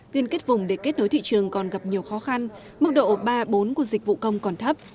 liên kết vùng để kết nối thị trường còn gặp nhiều khó khăn mức độ ba bốn của dịch vụ công còn thấp